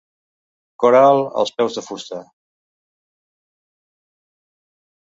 Cor alt als peus de fusta.